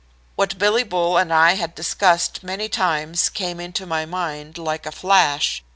What Billy Bull and I had discussed many times came into my mind like a flash.